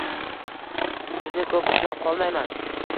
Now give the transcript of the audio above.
Sizni koʻp ushlab qolmayman.